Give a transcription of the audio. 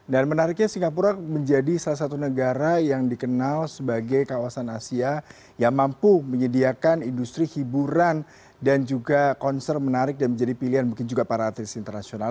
dan menariknya singapura menjadi salah satu negara yang dikenal sebagai kawasan asia yang mampu menyediakan industri hiburan dan juga konser menarik dan menjadi pilihan mungkin juga para artis internasional